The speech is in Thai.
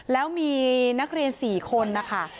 แล้วมีนักเรียน๔คนนะคะ